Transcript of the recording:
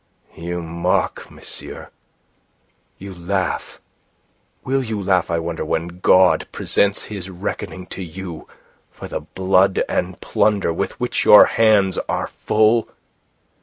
"You mock, monsieur. You laugh. Will you laugh, I wonder, when God presents His reckoning to you for the blood and plunder with which your hands are full?"